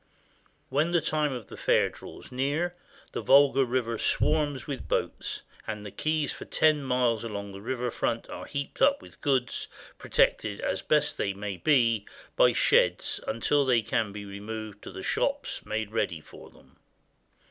When the time of the fair draws near, the Volga River swarms with boats, and the quays for ten miles along the river front are heaped up with goods, protected as best they may be by sheds until they can be removed to the shops made ready for them.